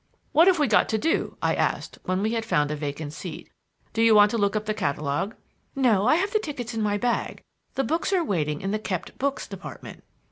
"What have we got to do?" I asked when we had found a vacant seat. "Do you want to look up the catalogue?" "No, I have the tickets in my bag. The books are waiting in the 'kept books' department."